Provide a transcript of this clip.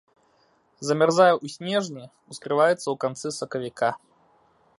Замярзае ў снежні, ускрываецца ў канцы сакавіка.